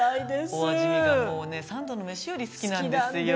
お味見がもうね三度の飯より好きなんですよ。